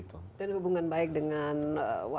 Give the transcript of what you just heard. itu ada hubungan baik dengan warga kota dan kepati